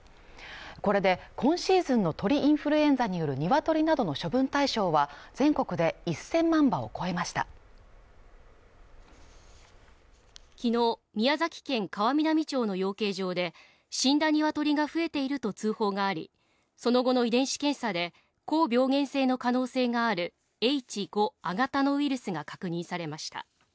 これで今シーズンの鳥インフルエンザによる鶏などの処分対象は全国で１０００万羽を超えました昨日宮崎県川南町の養鶏場で死んだニワトリが増えていると通報がありその後の遺伝子検査で高病原性の可能性があるＨ５亜型のウイルスが確認されました